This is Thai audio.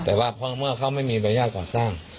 แต่ว่าเพราะเมื่อเขาไม่มีบรรยาทก่อสร้าง